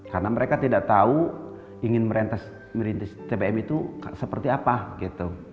karena mereka tidak tahu ingin merintis tbm itu seperti apa gitu